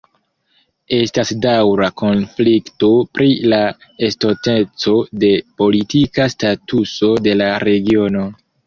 Estas daŭra konflikto pri la estonteco de politika statuso de la regiono.